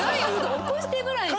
起こしてぐらいさ。